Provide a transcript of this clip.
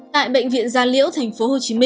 tại bệnh viện gia liễu tp hcm